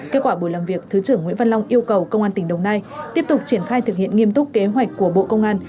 kết quả buổi làm việc thứ trưởng nguyễn văn long yêu cầu công an tỉnh đồng nai tiếp tục triển khai thực hiện nghiêm túc kế hoạch của bộ công an